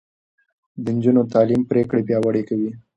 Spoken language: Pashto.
د نجونو تعليم پرېکړې پياوړې کوي.